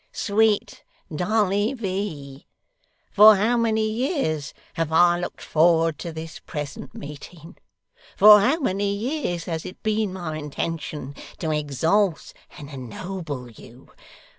sweet Dolly V., for how many years have I looked forward to this present meeting! For how many years has it been my intention to exalt and ennoble you!